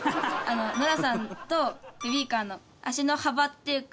ノラさんとベビーカーの足の幅っていうか。